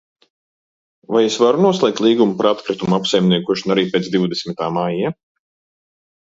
Vai es varu noslēgt līgumu par atkritumu apsaimniekošanu arī pēc divdesmitā maija?